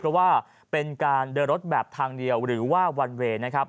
เพราะว่าเป็นการเดินรถแบบทางเดียวหรือว่าวันเวย์นะครับ